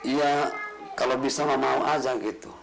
ya kalau bisa mah mau aja gitu